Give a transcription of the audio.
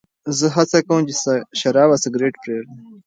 زه هڅه کوم چې شراب او سګرېټ پرېږدم.